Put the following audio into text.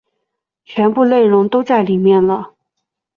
全部内容都在里面了